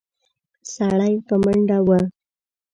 سړی په منډه و.